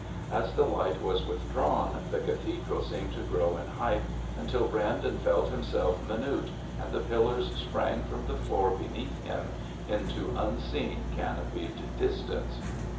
As the light was withdrawn the Cathedral seemed to grow in height until Brandon felt himself minute, and the pillars sprang from the floor beneath him into unseen canopied distance.